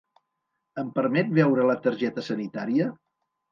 Em permet veure la targeta sanitària?